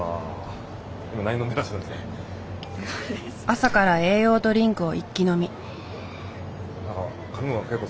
朝から栄養ドリンクを一気飲み。